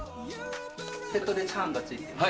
セットでチャーハンで付いています。